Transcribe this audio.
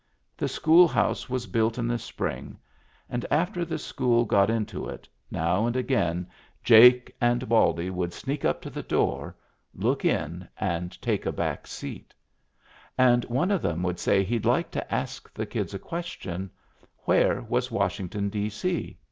The school house was built in the spring; and after the school got into it, now and again Jake and T Digitized by VjOOQ IC 274 MEMBERS OF THE FAMILY Baldy would sneak up to the door, look in and take a back seat And one of 'em would say he'd like to ask the kids a question: Where was Washington, D.C